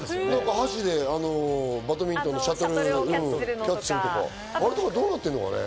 箸でバドミントンのシャトルをキャッチするとか、どうなってるのかね。